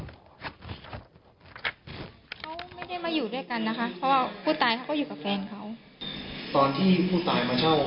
เขาไม่ได้มาอยู่ด้วยกันนะคะเพราะว่าผู้ตายเขาก็อยู่กับแฟนเขาตอนที่ผู้ตายมาเช่า